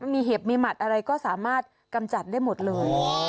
มีเห็บมีหมัดอะไรก็สามารถกำจัดได้หมดเลย